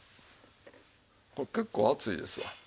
これ結構熱いですわ。